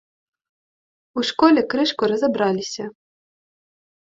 У школе крышку разабраліся.